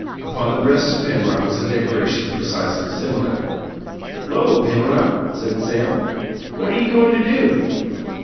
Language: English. Upon the breast of Penrod was a decoration precisely similar. "'Lo, Penrod," said Sam. "What are you goin' to do?"